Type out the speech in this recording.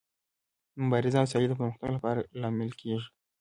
مبارزه او سیالي د پرمختګ لامل کیږي.